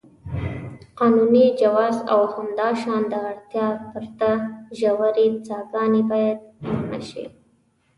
قانوني جواز او همداشان د اړتیا پرته ژورې څاګانې باید منع شي.